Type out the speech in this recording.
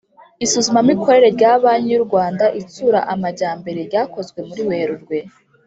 Isuzumamikorere rya Banki y u Rwanda Itsura Amajyambere ryakozwe muri Werurwe